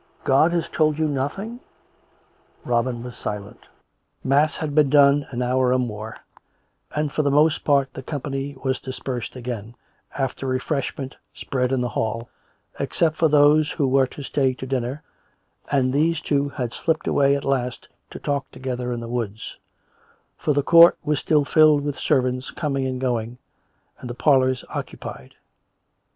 God has told you nothing.'' " Robin was silent. Mass had been done an hour or more, and for the most part the company was dispersed again, after refreshment spread in the hall, except for those who were to stay to dinner, and these two had slipped away at last to talk together in the woods; for the court was still filled with servants coming and going, and the parlours occupied.